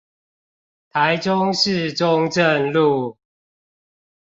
台中市中正路